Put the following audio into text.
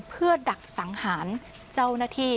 เพื่อดักสังหารเจ้าหน้าที่